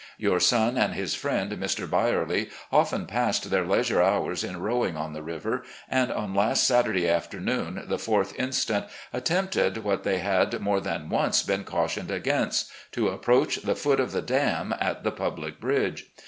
Your son and his friend, Mr. Birely, often passed their leisure hours in rowing on the river, and, on last Saturday after noon, the 4th inst., attempted what they had more than once been cautioned against — ^to approach the foot of the dam, at the public bridge.